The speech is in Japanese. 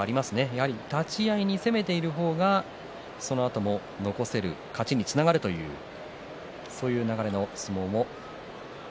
今日、立ち合い攻めている方がそのあとも残せる勝ちにつながるという流れの相撲もありました。